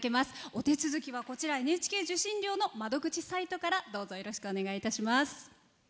お手続きはＮＨＫ受信料の窓口サイトからどうぞよろしくお願いいたします。